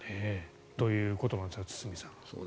ということなんです堤さん。